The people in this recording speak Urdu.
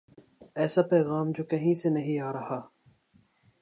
ایسا پیغام جو کہیں سے نہیں آ رہا۔